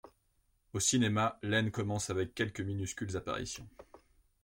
Au cinéma, Lehn commence avec quelques minuscules apparitions.